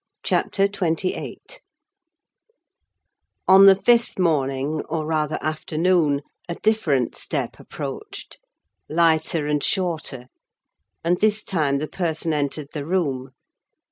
CHAPTER XXVIII On the fifth morning, or rather afternoon, a different step approached—lighter and shorter; and, this time, the person entered the room.